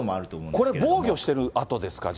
これ、防御している跡ですか？